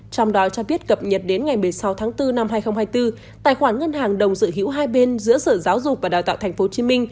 trong đó cho biết cập nhật đến ngày một mươi sáu tháng bốn năm hai nghìn hai mươi bốn tài khoản ngân hàng đồng dự hữu hai bên giữa sở giáo dục và đào tạo tp hcm